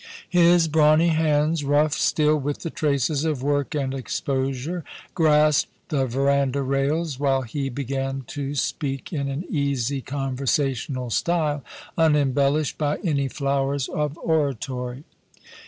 His brawny hands, rough still with the traces of work and exposure, grasped the verandah rails, while he began to speak in an easy conversational style, unembellished by any flowers of oratory.